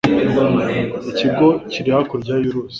Ikigo kiri hakurya y'uruzi.